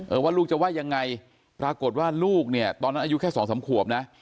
ว่าลูกจะว่ายังไงปรากฏว่าลูกเนี่ยตอนนั้นอายุแค่สองสามขวบนะ